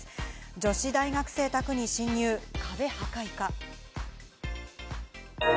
女子大学生宅に侵入、壁破壊か。